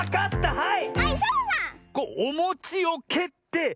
はい！